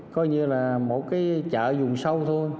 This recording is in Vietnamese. coi như là một cái chợ dùng sâu thôi